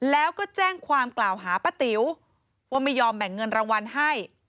แล้วก็แจ้งความกล่าวหาป้าติ๋วว่าไม่ยอมแบ่งเงินรางวัลให้